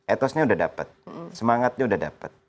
etosnya sudah dapat semangatnya sudah dapat